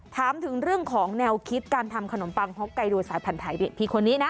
ถามถึงเรื่องของแนวคิดการทำขนมปังฮ็อกไกโดสายพันธัยพี่คนนี้นะ